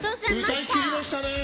歌いきりましたね。